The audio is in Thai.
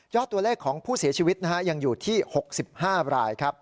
ตัวเลขของผู้เสียชีวิตยังอยู่ที่๖๕รายครับ